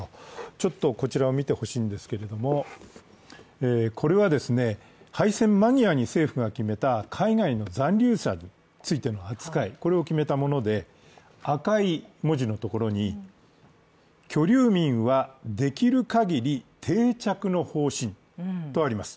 ちょっとこちらを見てほしいんですけれども、これは敗戦間際に政府が決めた海外の残留者についての扱い、これを決めたもので、赤い文字のところに居留民はできる限り定着の方針とあります。